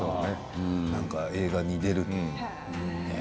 映画に出るって。